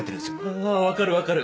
あ分かる分かる。